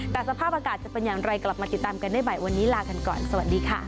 แต่สภาพอากาศจะเป็นอย่างไรกลับมาติดตามกันให้ใบบ่